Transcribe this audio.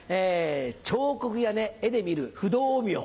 彫刻や絵で見る不動明王。